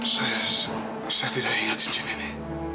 saya tidak ingat stasiun ini